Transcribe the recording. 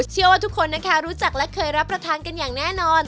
เชื่อว่าทุกคนนะคะรู้จักและเคยรับประทานกันอย่างแน่นอน